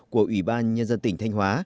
của ủy ban nhân dân tỉnh thanh hóa